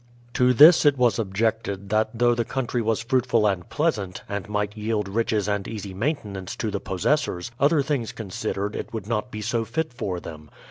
To this it was objected that though the country was fruit ful and pleasant, and might yield riches and easy main tenance to the possessors, other things considered, it would not be so fit for them.